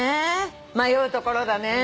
迷うところだね。